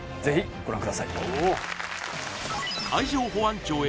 ぜひご覧ください